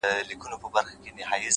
د کتابتون سکوت د فکر حرکت ورو کوي’